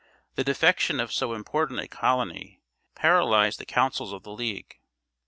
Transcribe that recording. The defection of so important a colony paralysed the councils of the league.